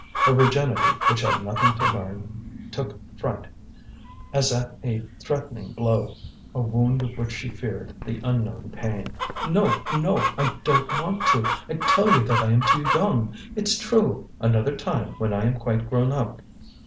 Her virginity which had nothing to learn took fright as at a threatening blow, a wound of which she feared the unknown pain. "No, no! I don't want to! I tell you that I am too young. It's true! Another time, when I am quite grown up."